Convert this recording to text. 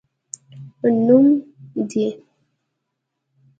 نوم دي؟